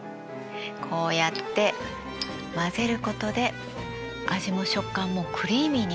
こうやって混ぜることで味も食感もクリーミーになるんです。